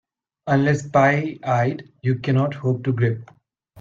Unless pie-eyed, you cannot hope to grip.